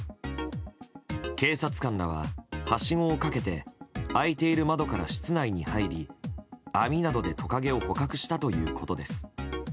警察官らは、はしごをかけて開いている窓から室内に入り、網などでトカゲを捕獲したということです。